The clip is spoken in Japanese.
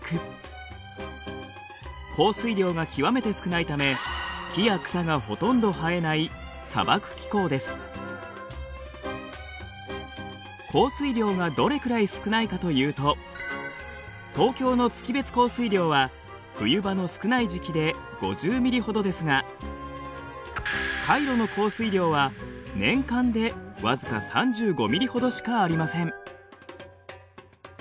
降水量が極めて少ないため木や草がほとんど生えない降水量がどれくらい少ないかというと東京の月別降水量は冬場の少ない時期で５０ミリほどですがカイロの降水量は年間で僅か３５ミリほどしかありません。